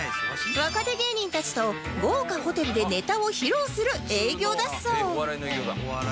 若手芸人たちと豪華ホテルでネタを披露する営業だそう